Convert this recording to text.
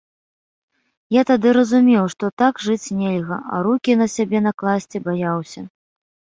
Я тады разумеў, што так жыць нельга, а рукі на сябе накласці баяўся.